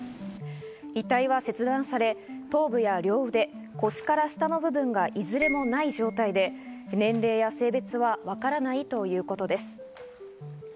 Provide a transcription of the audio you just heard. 遺体は切断され、頭部や両腕、腰から下の部分が、いずれもない状態で、年齢や性別はわからないということです。